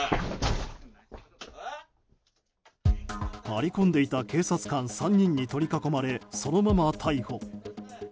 張り込んでいた警察官３人に取り囲まれそのまま逮捕。